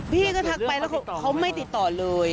พี่ก็ทักไปแล้วเขาไม่ติดต่อเลย